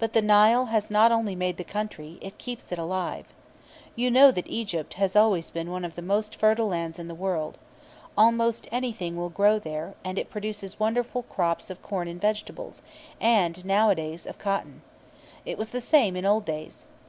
But the Nile has not only made the country; it keeps it alive. You know that Egypt has always been one of the most fertile lands in the world. Almost anything will grow there, and it produces wonderful crops of corn and vegetables, and, nowadays, of cotton. It was the same in old days.